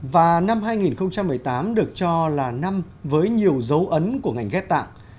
và năm hai nghìn một mươi tám được cho là năm với nhiều dấu ấn của ngành ghép tạng